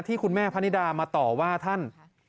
คุณแม่พนิดามาต่อว่าท่าน